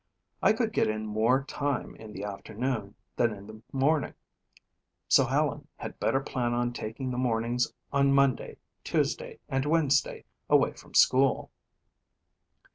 I could get in more time in the afternoon than in the morning so Helen had better plan on taking the mornings on Monday, Tuesday and Wednesday away from school."